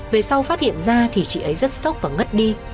về sau phát hiện ra thì chị ấy rất sốc và ngất đi